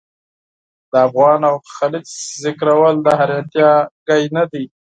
د افغان او خلج ذکرول د حیرانتیا خبره نه ده.